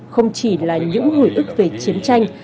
không chỉ là những hủy ức về chiến tranh